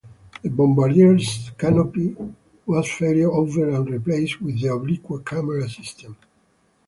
The bombardier's canopy was faired over and replaced with an Oblique camera system.